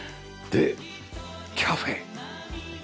でカフェ。